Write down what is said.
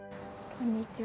こんにちは。